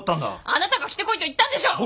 あなたが着てこいと言ったんでしょう！